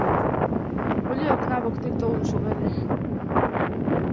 — Ули окна воктек толын шогале.